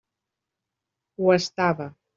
Ho estava.